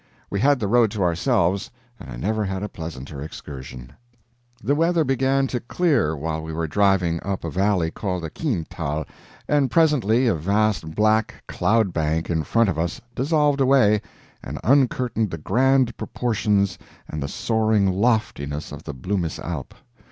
We had the road to ourselves, and I never had a pleasanter excursion. The weather began to clear while we were driving up a valley called the Kienthal, and presently a vast black cloud bank in front of us dissolved away and uncurtained the grand proportions and the soaring loftiness of the Blumis Alp.